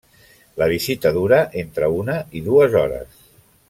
La visita dura entre una i dues hores.